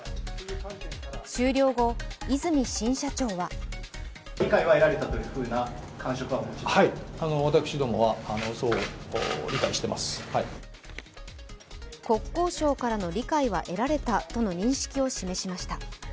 終了後、和泉新社長は国交省からの理解は得られたとの認識を示しました。